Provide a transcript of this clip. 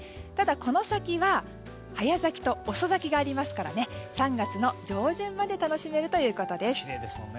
ただ、この先は早咲きと遅咲きがありますから３月上旬まで楽しめるということです。